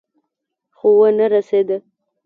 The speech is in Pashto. خو ونه رسېد.